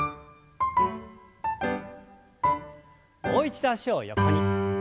もう一度脚を横に。